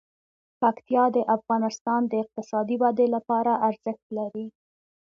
پکتیا د افغانستان د اقتصادي ودې لپاره ارزښت لري.